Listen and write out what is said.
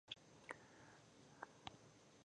د نجلۍ سر له ځمکې يوه لوېشت پورته پاتې شو.